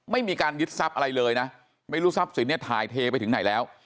ไม่มีการยึดทรัพย์อะไรเลยนะไม่รู้ทรัพย์สินเนี่ยถ่ายเทไปถึงไหนแล้ว